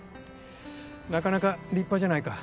なかなか立派じゃないか。